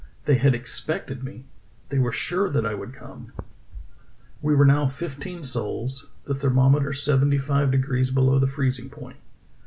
They had expected me! They were sure that I would come ! "We were now fifteen souls; the thermometer seventy five degrees below the freezing point.